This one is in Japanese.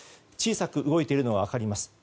小さく動いているのが分かります。